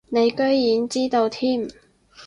你居然知道添